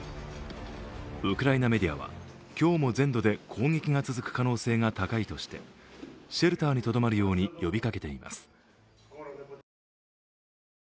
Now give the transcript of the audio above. ウクライナメディアは、今日も全土で攻撃が続く可能性が高いとしてシェルターにとどまるように呼びかけています。